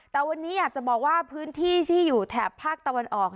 แต่วันนี้อยากจะบอกว่าพื้นที่ที่อยู่แถบภาคตะวันออก